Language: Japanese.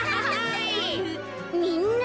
みんな。